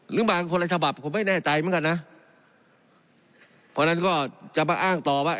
บางคนละฉบับผมไม่แน่ใจเหมือนกันนะเพราะฉะนั้นก็จะมาอ้างต่อว่า